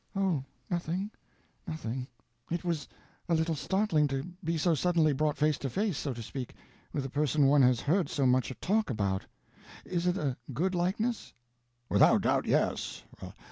"Oh, nothing, nothing." "It was a little startling to be so suddenly brought face to face, so to speak, with a person one has heard so much talk about. Is it a good likeness?" "Without doubt, yes.